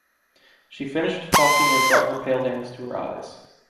She finished talking and brought her pale hands to her eyes.